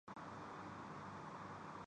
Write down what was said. کبھی کبھار جذباتی ہو جاتا ہوں